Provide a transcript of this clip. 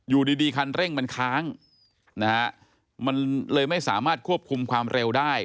อยู่ดีดีคันเร่งมันค้างนะฮะมันเลยไม่สามารถควบคุมความเร็วได้